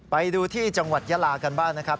ไปดูที่จังหวัดยาลากันบ้างนะครับ